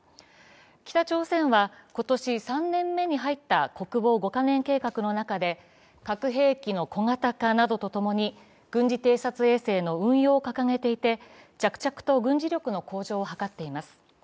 北朝鮮は今年３年目に入った国防５か年計画の中で核兵器の小型化などとともに軍事偵察衛星の運用を掲げていて着々と軍事力の向上を図っています。